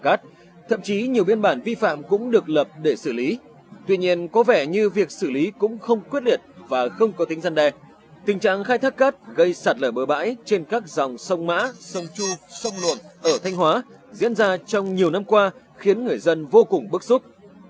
các thuyền bè này cũng cho vòi chia vào để hút cát mang đi tiêu thụ tại các dòng sông mã sông chu sông luồn ở thanh hóa diễn ra trong nhiều năm qua khiến người dân vô cùng bức xúc